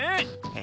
え？